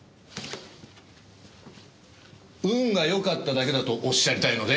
運が良かっただけだとおっしゃりたいので？